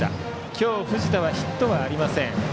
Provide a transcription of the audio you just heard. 今日藤田はヒットはありません。